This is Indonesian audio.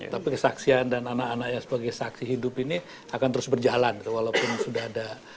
tapi kesaksian dan anak anaknya sebagai saksi hidup ini akan terus berjalan walaupun sudah ada